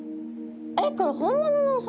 えっこれ本物のお魚？